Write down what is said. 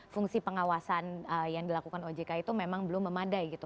fungsi pengawasan yang dilakukan ojk itu memang belum memadai gitu